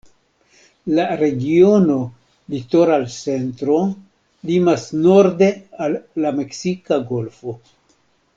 La regiono "Litoral Centro" limas norde al la Meksika Golfo.